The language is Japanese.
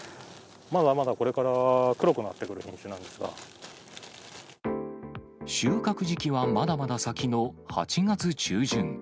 まだまだこれから黒くなって収穫時期はまだまだ先の８月中旬。